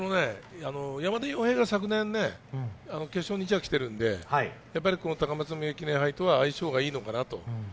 山田庸平が昨年、決勝に来てるので、高松宮記念杯とは相性がいいのかなと。